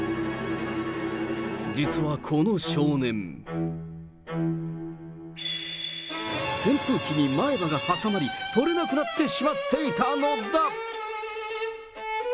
実はこの少年、扇風機に前歯が挟まり、取れなくなってしまっていたのだ。